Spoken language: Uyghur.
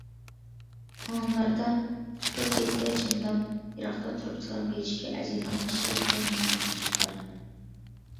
كونىلاردا‹‹ ئۇستاز يەتتە چامدام يىراقتا تۇرۇپ سالام بېرىشكە ئەرزىيدىغان كىشى›› دېگەن ھېكمەتلىك سۆز بار.